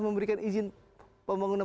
memberikan izin pembangunan